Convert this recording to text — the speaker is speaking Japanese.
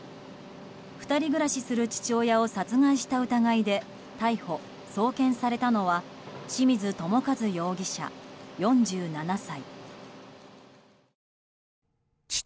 ２人暮らしする父親を殺害した疑いで逮捕・送検されたのは志水友和容疑者、４７歳。